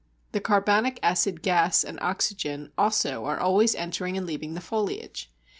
The carbonic acid gas and oxygen also are always entering and leaving the foliage.